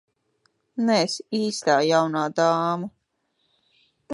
Neesi īstā jaunā dāma.